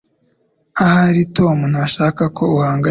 Ahari Tom ntashaka ko uhangayika